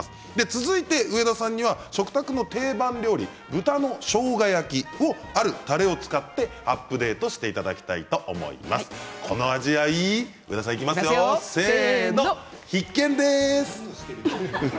続いて上田さんには食卓の定番料理豚のしょうが焼きにあるたれを使ってアップデート必見です！